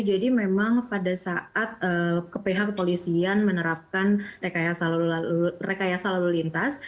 jadi memang pada saat kepehak kepolisian menerapkan rekayasa lalu lintas